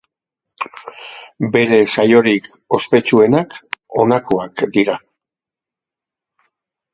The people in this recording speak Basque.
Bere saiorik ospetsuenak honakoak dira.